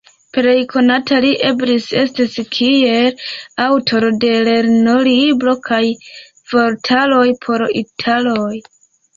Plej konata li eble estis kiel aŭtoro de lernolibro kaj vortaroj por italoj.